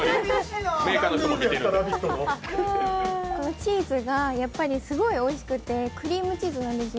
チーズがすごいおいしくて、クリームチーズなんですよ。